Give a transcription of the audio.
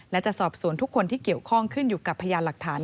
และจะสอบสวนทุกคนที่เกี่ยวข้องขึ้นอยู่กับพยานหลักฐาน